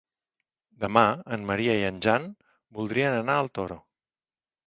Demà en Maria i en Jan voldrien anar al Toro.